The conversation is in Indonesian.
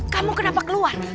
kamu kenapa keluar